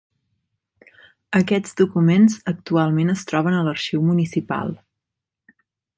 Aquests documents actualment es troben a l'Arxiu Municipal.